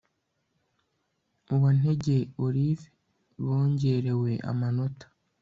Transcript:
UWANTEGE Olive bongerewe amanota